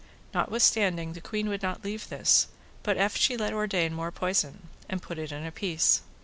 Notwithstanding the queen would not leave this, but eft she let ordain more poison, and put it in a piece.